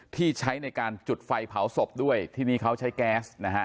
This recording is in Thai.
ที่ใช้ในการจุดไฟเผาศพด้วยที่นี่เขาใช้แก๊สนะฮะ